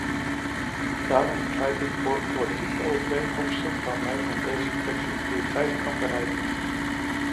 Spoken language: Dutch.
Daarom pleit ik voor collectieve overeenkomsten waarmee men deze flexibiliteit kan bereiken.